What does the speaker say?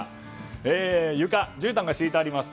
床、じゅうたんが敷いてあります。